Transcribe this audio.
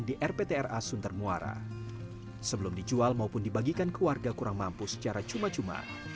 di rptra suntar muara sebelum dijual maupun dibagikan keluarga kurang mampu secara cuma cuma